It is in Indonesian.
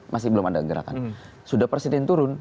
masih belum ada gerakan sudah presiden turun